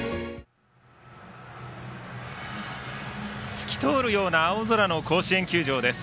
透き通るような青空の甲子園球場です。